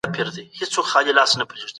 وړانګې پټ شیان راښکاره کوي.